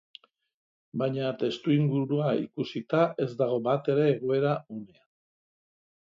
Baina testuingurua ikusita ez dago batere egoera onean.